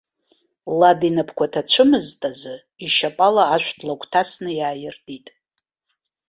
Лад инапқәа ҭацәымызт азы, ишьапала ашә длагәҭасны иааиртит.